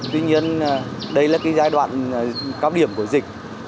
tuy nhiên đây là cái giai đoạn cao điểm của dịch